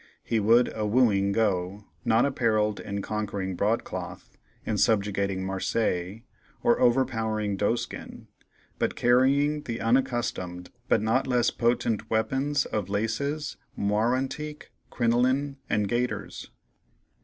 He would a wooing go, not apparelled in conquering broadcloth, in subjugating marseilles, or overpowering doeskin, but carrying the unaccustomed, but not less potent weapons of laces, moire antique, crinoline, and gaiters.